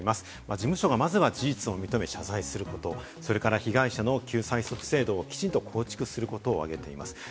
事務所が、まず事実を認め謝罪すること、それから被害者の救済措置制度をきちんと構築することを挙げています。